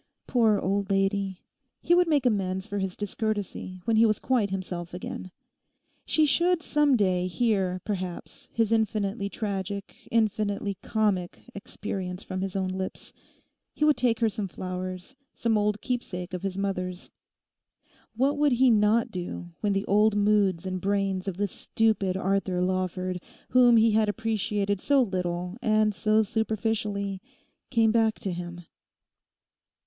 Poor old lady. He would make amends for his discourtesy when he was quite himself again. She should some day hear, perhaps, his infinitely tragic, infinitely comic experience from his own lips. He would take her some flowers, some old keepsake of his mother's. What would he not do when the old moods and brains of the stupid Arthur Lawford, whom he had appreciated so little and so superficially, came back to him.